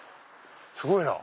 すごいな。